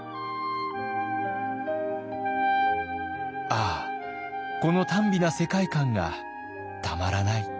「ああこのたん美な世界観がたまらない。